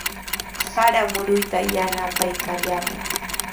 Sara muruytraw yanapaykallamay.